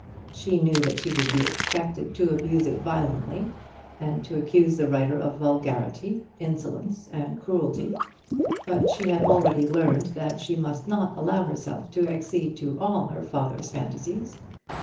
She knew that she would be expected to abuse it violently, and to accuse the writer of vulgarity, insolence, and cruelty; but she had already learned that she must not allow herself to accede to all her father's fantasies.